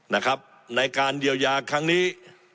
นะครับในการเดียวยาครั้งนี้